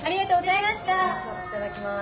いただきます。